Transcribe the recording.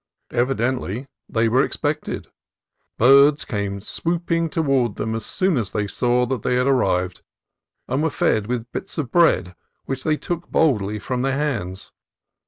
Evidently they were expected. Birds came swooping toward them as soon as they saw that they had arrived, and were fed with bits of bread which they took boldly from their hands.